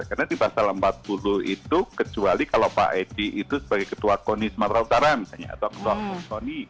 karena di pasal empat puluh itu kecuali kalau pak edi itu sebagai ketua koni sumatera utara misalnya atau ketua koni